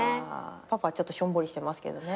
パパはちょっとしょんぼりしてますけどね。